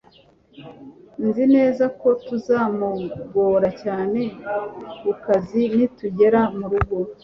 Nzi neza ko tuzamugora cyane kukazi nitugera murugo